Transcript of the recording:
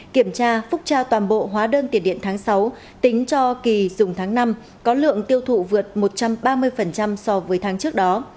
kiểm tra phúc tra toàn bộ hóa đơn tiền điện tháng sáu tính cho kỳ dùng tháng năm có lượng tiêu thụ vượt một trăm ba mươi so với tháng trước đó